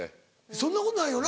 そんなことないよな。